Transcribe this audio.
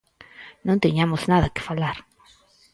Non tiñamos nada que falar.